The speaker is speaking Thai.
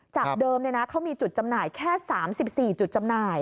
จากเดิมเขามีจุดจำหน่ายแค่๓๔จุดจำหน่าย